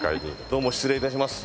どうも失礼致します。